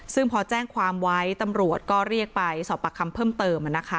ซึ่งพอแจ้งความไว้ตำรวจก็เรียกไปสอบปากคำเพิ่มเติม